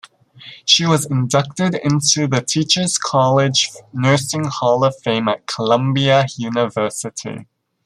She was inducted into the Teacher's College Nursing Hall of Fame at Columbia University.